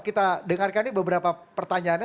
kita dengarkan nih beberapa pertanyaannya